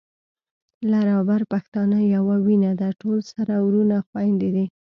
لر او بر پښتانه يوه وینه ده، ټول سره وروڼه خويندي دي